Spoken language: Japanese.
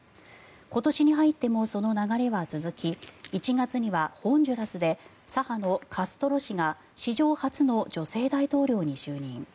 今年に入ってもその流れは続き１月にはホンジュラスで左派のカストロ氏が史上初の女性大統領に就任。